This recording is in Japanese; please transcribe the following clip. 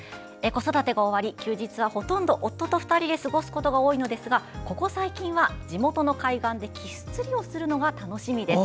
子育てが終わり休日はほとんど夫と２人で過ごすことが多いのですが、ここ最近は地元の海岸でキス釣りをするのが楽しみです。